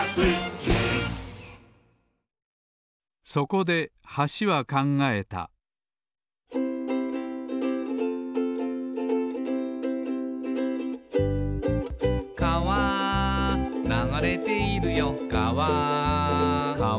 そこで橋は考えた「かわ流れているよかわ」